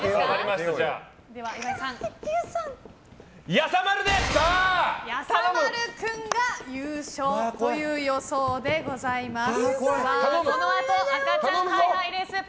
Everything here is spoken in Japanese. やさまる君が優勝という予想でございます。